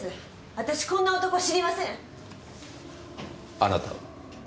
あなたは？